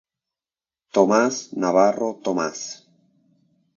Tomás Navarro Tomás.